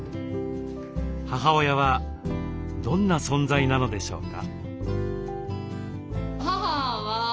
母親はどんな存在なのでしょうか。